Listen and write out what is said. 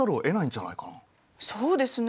そうですね。